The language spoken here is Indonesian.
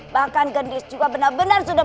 bahkan gendis juga benar benar sudah